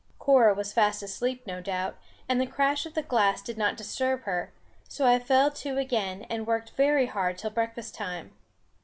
Cora was fast asleep no doubt, and the crash of the glass did not disturb her; so I fell to again, and worked very hard till breakfast time.